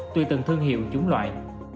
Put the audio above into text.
tuy từng thương hiệu chúng loại